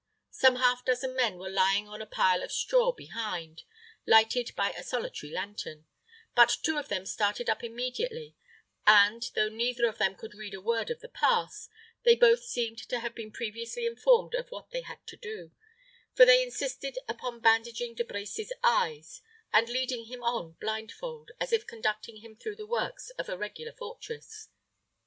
Some half dozen men were lying on a pile of straw behind, lighted by a solitary lantern; but two of them started up immediately, and, though neither of them could read a word of the pass, they both seemed to have been previously informed of what they had to do; for they insisted upon bandaging De Brecy's eyes, and leading him on blindfold, as if conducting him through the works of a regular fortress.